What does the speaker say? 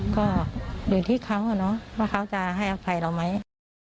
ก็อยู่ที่เขาว่าเขาจะให้อภัยเราไหม